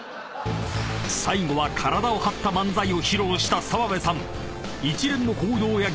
［最後は体を張った漫才を披露した澤部さん］